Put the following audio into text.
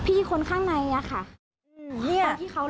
พี่คนข้างในอย่างนี้ค่ะ